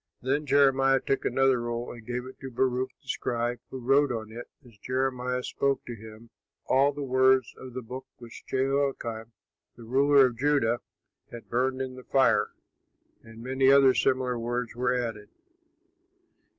Then Jeremiah took another roll and gave it to Baruch, the scribe, who wrote on it as Jeremiah spoke to him, all the words of the book which Jehoiakim, the ruler of Judah, had burned in the fire; and many other similar words were added.